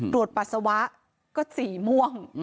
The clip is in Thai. ตรวจปัสสาวะก็สีม่วง